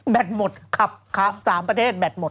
หมดขับ๓ประเทศแบตหมด